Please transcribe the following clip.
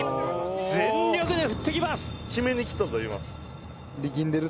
全力で振ってきます。